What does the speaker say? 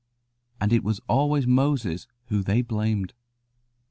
And it was always Moses whom they blamed.